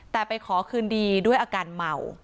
แต่ไปขอคืนดีด้วยอาการเมา